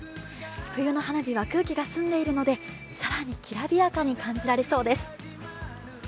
冬の花火は空気が澄んでいるので更にきらびやかに感じられそうです。